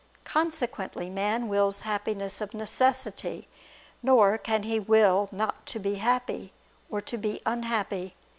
Consequently man wills Happiness of necessity, nor can he will not to be happy, or to be unhappy.